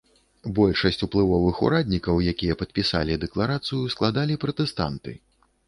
Большасць уплывовых ураднікаў, якія падпісалі дэкларацыю, складалі пратэстанты.